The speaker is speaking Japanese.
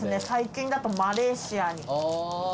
最近だとマレーシアに。